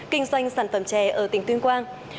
kinh doanh sản phẩm trẻ ở tỉnh tuyên quang